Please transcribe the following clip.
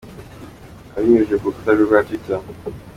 Abinyujije ku rukuta rwe rwa twitter.